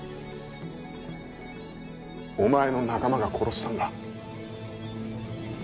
お前の仲間が殺したんだ。